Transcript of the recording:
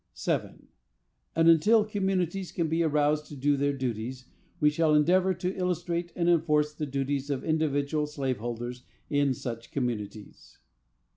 7. And, until communities can be aroused to do their duties, we shall endeavor to illustrate and enforce the duties of individual slave holders in such communities.